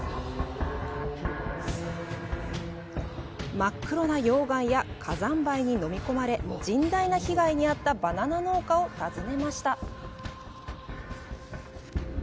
真っ黒な溶岩や火山灰に飲み込まれ甚大な被害に遭ったバナナ農家を訪ねました。